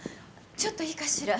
ちょっといいかしら？